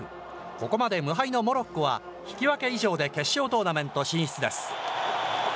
ここまで無敗のモロッコは引き分け以上で決勝トーナメント進出です。